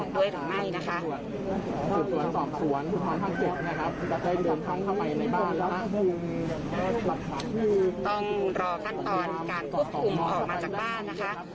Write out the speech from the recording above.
ในบ้านนะคะต้องรอขั้นตอนการควบคุมออกมาจากบ้านนะคะ